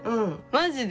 マジで？